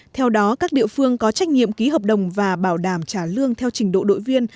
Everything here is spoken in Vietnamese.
theo đó các địa phương có trách nhiệm ký hợp đồng và bảo đảm trả lương theo trình độ đội viên